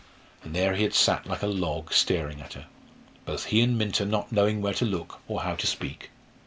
And there he had sat like a log, staring at her both he and Minta not knowing where to look, or how to speak.